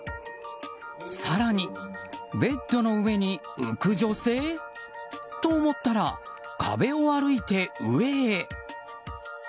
更にベッドの上に浮く女性？と、思ったら壁を歩いて上へ。